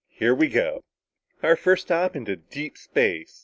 "Here we go!" "Our first hop into deep space!"